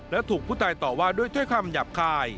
และถูกผู้ตายต่อว่าด้วยถ้อยคำหยาบคาย